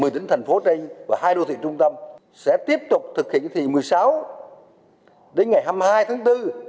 một mươi tỉnh thành phố tây và hai đô thị trung tâm sẽ tiếp tục thực hiện thị một mươi sáu đến ngày hai mươi hai tháng bốn